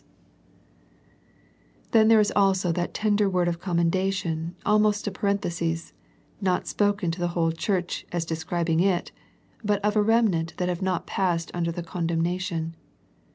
The Sardis Letter 149 Then there is also that tender word of com mendation almost a parenthesis, not spdcen to the whole church as describing it, but of a remnant that have not passed under the con demnation.